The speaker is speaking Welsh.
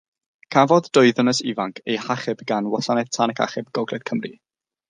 Cafodd dwy ddynes ifanc eu hachub gan Wasanaeth Tân ac Achub Gogledd Cymru.